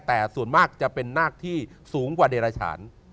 แต่ส่วนมากจะเป็นนาคที่สูงกว่าเดรฐาน